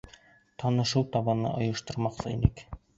Танышыу табыны ойоштормаҡсы инек.